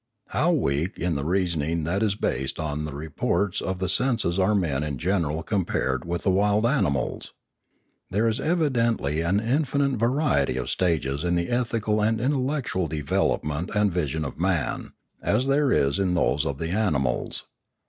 How weak in the reasoning that is based on the reports of the senses are men in general compared with the wild animals! There is evidently an infinite variety of stages in the ethical and intellectual development and vision of man, as there is in those of the animals.